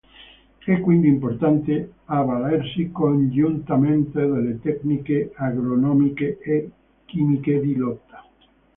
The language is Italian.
È quindi importante avvalersi congiuntamente delle tecniche agronomiche e chimiche di lotta.